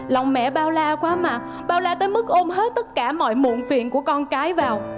lòng mẹ bao la quá mặt bao la tới mức ôm hết tất cả mọi muộn phiền của con cái vào